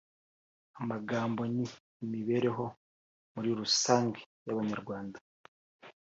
amagambo) ni imibereho muri rusange y’Abanyarwanda